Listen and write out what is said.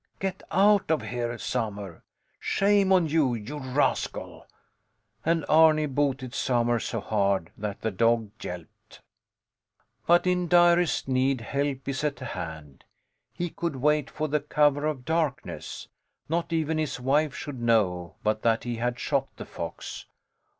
Get out of here, Samur. Shame on you, you rascal! And Arni booted Samur so hard that the dog yelped. But, in direst need, help is at hand. He could wait for the cover of darkness. Not even his wife should know but that he had shot the fox.